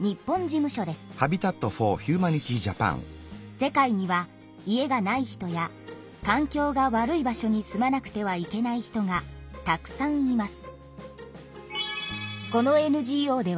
世界には家がない人やかん境が悪い場所に住まなくてはいけない人がたくさんいます。